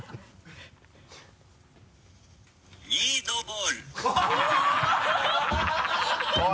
ミートボールおぉ！